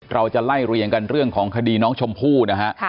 เราจะไล่เรียงกันเรื่องของคดีน้องชมพู่นะฮะ